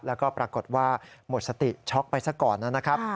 แล้วก็ปรากฏว่าหมดสติช็อกไปซะก่อนนะครับ